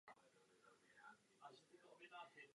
Jang Wej je znám impozantní obtížností v šesti disciplínách.